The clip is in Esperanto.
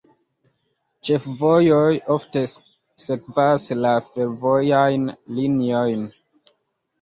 La ĉefvojoj ofte sekvas la fervojajn liniojn.